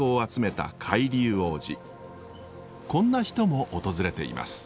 こんな人も訪れています。